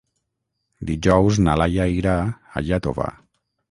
Dijous na Laia irà a Iàtova.